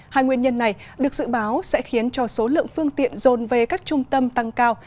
hai nguyên nhân này được dự báo sẽ khiến cho số lượng phương tiện dồn về các trung tâm tăng cao